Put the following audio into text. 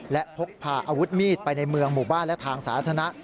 และพกพาอาวุธมีดไปในเมืองหมู่บ้านและทางสาธารณะ